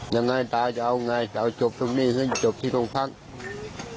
ยังไงตาจะเอาไงจะเอาจบตรงนี้หรือจะจบที่ตรงภักดิ์